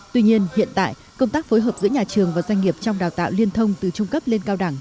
tuy nhiên hiện tại công tác phối hợp giữa nhà trường và doanh nghiệp trong đào tạo liên thông từ trung cấp lên cao đẳng